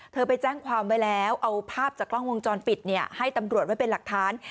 ไปแจ้งความไว้แล้วเอาภาพจากกล้องวงจรปิดให้ตำรวจไว้เป็นหลักฐาน